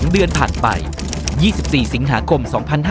๒เดือนผ่านไป๒๔สิงหาคม๒๕๕๙